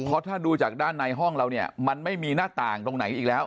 เพราะถ้าดูจากด้านในห้องเราเนี่ยมันไม่มีหน้าต่างตรงไหนอีกแล้ว